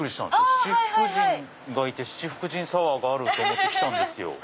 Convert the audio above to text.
七福神がいて七福神サワーがある！と思って来たんですよ。